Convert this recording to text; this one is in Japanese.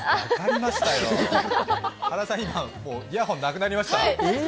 原さん、イヤホンなくなりました。